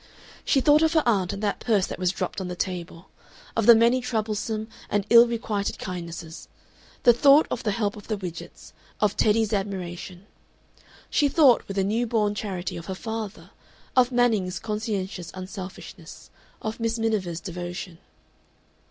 She thought of her aunt and that purse that was dropped on the table, and of many troublesome and ill requited kindnesses; she thought of the help of the Widgetts, of Teddy's admiration; she thought, with a new born charity, of her father, of Manning's conscientious unselfishness, of Miss Miniver's devotion.